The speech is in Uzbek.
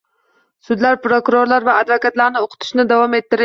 Sudlar, prokurorlar va advokatlarni o'qitishni davom ettirish